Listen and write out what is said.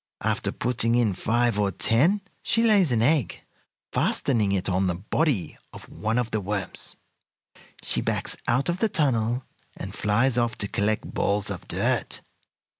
"After putting in five or ten she lays an egg, fastening it on the body of one of the worms. She backs out of the tunnel, and flies off to collect balls of dirt.